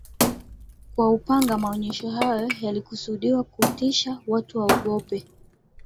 kwa upanga Maonyesho hayo yalikusudiwa kutisha watu waogope